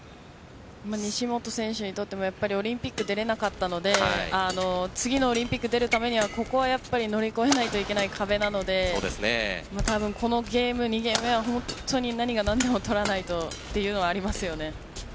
西本選手にとってもオリンピックに出れなかったので次のオリンピック出るためにはここは乗り越えないといけない壁なのでこのゲーム２ゲーム目は何が何でも取らないとというのはありますよね。